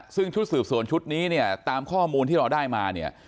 ซึ่งชุดสืบสวนชุดนี้เนี่ยตามข้อมูลที่เราได้มาเนี่ย